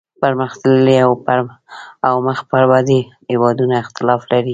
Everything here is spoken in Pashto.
پرمختللي او مخ پر ودې هیوادونه اختلاف لري